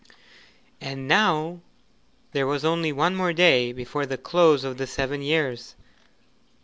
And now there was only one more day before the close of the seven years.